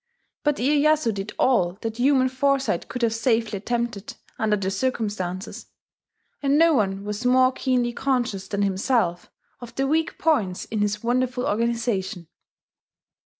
But Iyeyasu did all that human foresight could have safely attempted under the circumstances; and no one was more keenly conscious than himself of the weak points in his wonderful organization.